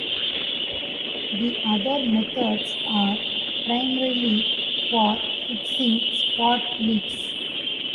The other methods are primarily for fixing spot leaks.